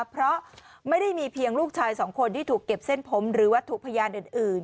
เพราะไม่ได้มีเพียงลูกชายสองคนที่ถูกเก็บเส้นผมหรือวัตถุพยานอื่น